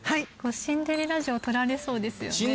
シンデレラ城取られそうですよね。